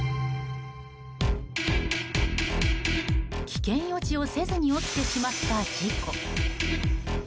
危険予知をせずに起きてしまった事故。